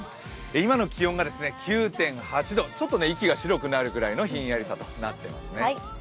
今の気温が９．８度、息が白くなるくらいのひんやりさとなっています。